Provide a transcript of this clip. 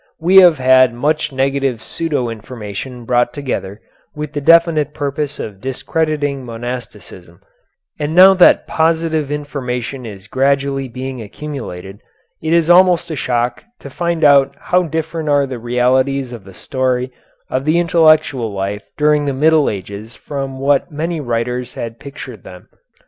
We have had much negative pseudo information brought together with the definite purpose of discrediting monasticism, and now that positive information is gradually being accumulated, it is almost a shock to find how different are the realities of the story of the intellectual life during the Middle Ages from what many writers had pictured them.